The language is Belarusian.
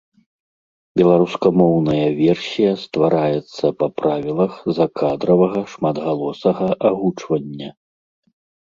Беларускамоўная версія ствараецца па правілах закадравага шматгалосага агучвання.